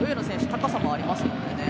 高さもありますのでね